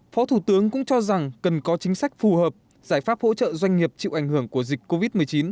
phó thủ tướng cũng cho rằng cần có chính sách phù hợp giải pháp hỗ trợ doanh nghiệp chịu ảnh hưởng của dịch covid một mươi chín